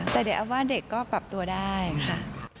แต่เด็กอาวาสเด็กก็ปรับตัวได้ค่ะ